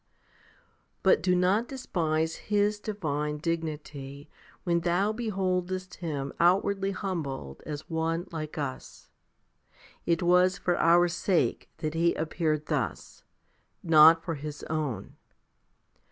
But do not despise His divine dignity when thou beholdest Him outwardly humbled as one like us. It was for our sake that he appeared thus, not for His own.